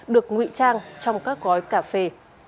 được ngụy trang trong các gói cà phê